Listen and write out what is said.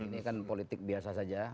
ini kan politik biasa saja